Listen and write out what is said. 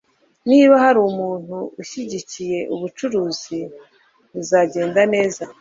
niba hari umuntu unshyigikiye, ubucuruzi buzagenda neza